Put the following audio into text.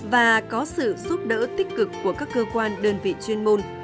và có sự giúp đỡ tích cực của các cơ quan đơn vị chuyên môn